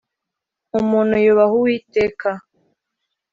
Umuntu yubaha uwiteka.